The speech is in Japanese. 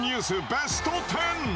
ベスト１０！